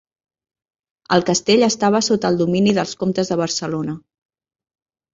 El castell estava sota el domini dels comtes de Barcelona.